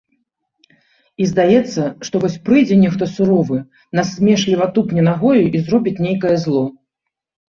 І здаецца, што вось прыйдзе нехта суровы, насмешліва тупне нагою і зробіць нейкае зло.